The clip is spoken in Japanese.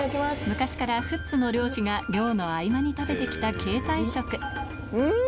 昔から富津の漁師が漁の合間に食べて来た携帯食うん！